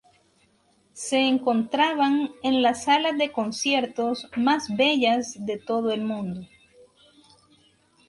Se encontraban en las salas de conciertos más bellas de todo el mundo.